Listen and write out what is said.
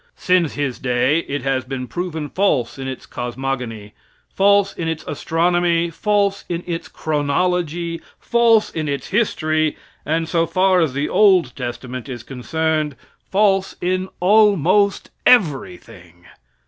Since his day it has been proven false in its cosmogony, false in its astronomy, false in its chronology, false in its history, and so far as the old testament is concerned, false in almost everything.